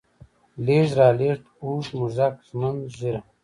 لېږد، رالېږد، اوږد، موږک، ږمنځ، ږيره